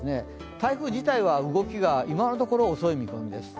台風自体は動きが、今のところ遅い見込みです。